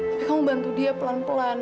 tapi kamu bantu dia pelan pelan